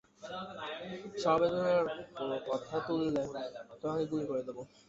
সমবেদনার কোনো কথা তুললে, তোমাকে গুলি করে দেবো।